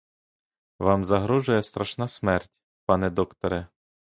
Вам загрожує страшна смерть, пане докторе!!